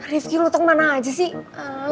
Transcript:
rifki lo tau mana aja sih